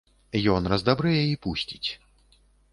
Ён раздабрэе і пусціць.